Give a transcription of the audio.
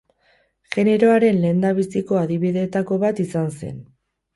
Generoaren lehendabiziko adibideetako bat izan zen.